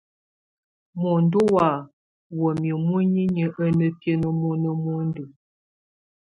Muəndu wa wamia muninyə a na biəne mɔna muəndu.